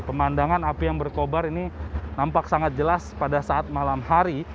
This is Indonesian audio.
pemandangan api yang berkobar ini nampak sangat jelas pada saat malam hari